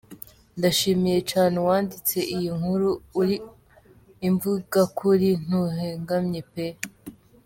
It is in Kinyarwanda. Ndashimye cane uwanditse iyi nkuru, uri imvugakuri, ntuhengamye pe!